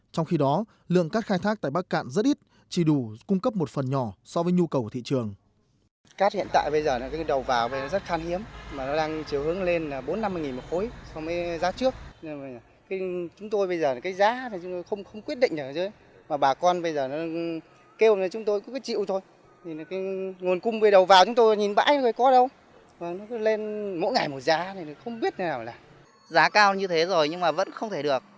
trong khi đó lượng cát khai thác tại bắc cạn rất ít chỉ đủ cung cấp một phần nhỏ so với nhu cầu của thị trường